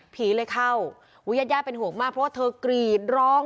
ผีเลยเข้าอุ้ยญาติญาติเป็นห่วงมากเพราะว่าเธอกรีดร้อง